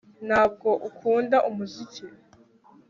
Ntabwo ukunda umuziki